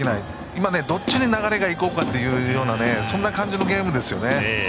今どっちに流れがいこうかというそんな感じのゲームですね。